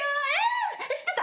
「知ってた？